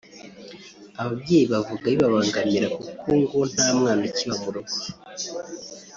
ababyeyi bavuga bibabangamira kuko ngo nta mwana ukiba mu rugo